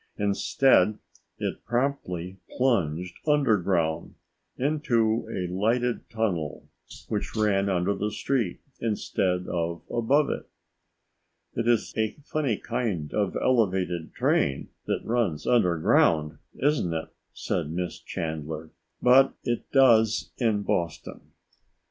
Instead, it promptly plunged underground, into a lighted tunnel which ran under the street instead of above it. "It is a funny kind of elevated train which runs underground, isn't it?" said Miss Chandler. "But it does in Boston."